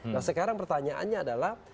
nah sekarang pertanyaannya adalah